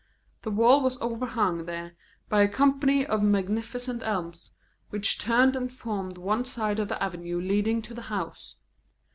The wall was overhung there by a company of magnificent elms, which turned and formed one side of the avenue leading to the house.